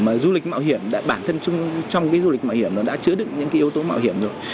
mà du lịch mạo hiểm bản thân trong cái du lịch mạo hiểm nó đã chứa đựng những cái yếu tố mạo hiểm rồi